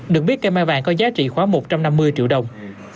được biết cây mai vàng có giá trị khoảng một trăm năm mươi triệu đồng